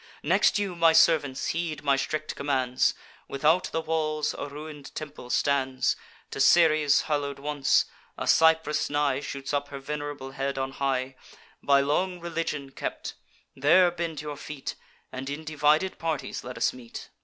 Next, you, my servants, heed my strict commands: Without the walls a ruin'd temple stands, To Ceres hallow'd once; a cypress nigh Shoots up her venerable head on high, By long religion kept; there bend your feet, And in divided parties let us meet.